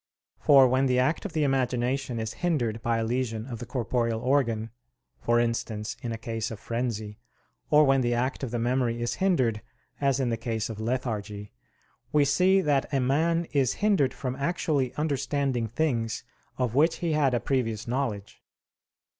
For when the act of the imagination is hindered by a lesion of the corporeal organ, for instance in a case of frenzy; or when the act of the memory is hindered, as in the case of lethargy, we see that a man is hindered from actually understanding things of which he had a previous knowledge.